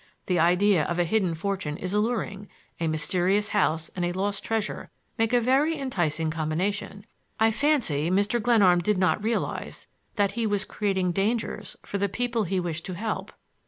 The idea of a hidden fortune is alluring; a mysterious house and a lost treasure make a very enticing combination. I fancy Mr. Glenarm did not realize that he was creating dangers for the people he wished to help."